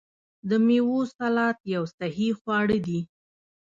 د میوو سلاد یو صحي خواړه دي.